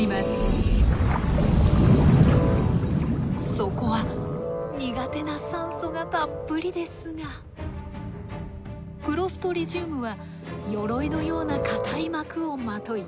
そこは苦手な酸素がたっぷりですがクロストリジウムはよろいのような硬い膜をまとい